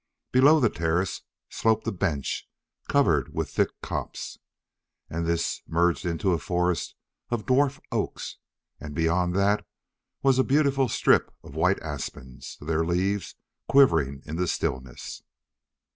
Below the terrace sloped a bench covered with thick copse, and this merged into a forest of dwarf oaks, and beyond that was a beautiful strip of white aspens, their leaves quivering in the stillness.